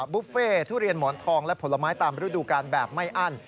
บุฟเฟ่ทุเรียนหมอนทองและผลไม้ตามฤดูการแบบไม่อั้น